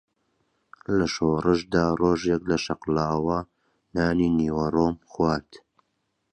لە شۆڕشدا ڕۆژێک لە شەقڵاوە نانی نیوەڕۆم خوارد